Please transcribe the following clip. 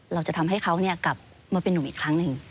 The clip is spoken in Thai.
เราจะทำให้เขากลับมาเป็นนุ่มอีกครั้งหนึ่ง